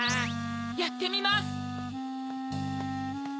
やってみます！